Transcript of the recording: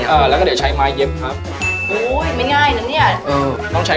อ๋อนี่คือทีเดชสุดเคล็ดลับเลย